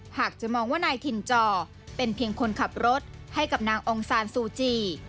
หากจะมองว่านายถิ่นจอเป็นเพียงคนขับรถให้กับนางองซานซูจี